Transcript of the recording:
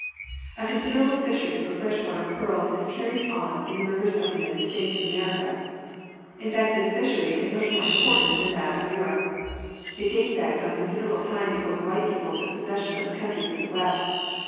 A considerable fishery for fresh water pearls is carried on in the rivers of the United States of America. In fact this fishery is much more important than that of Europe. It dates back some considerable time before the white people took possession of the countries of the West.